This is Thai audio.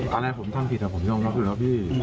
อะไรผมทำผิดผมยอมรับอยู่แล้วพี่